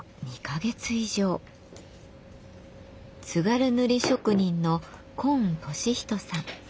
津軽塗職人の今年人さん。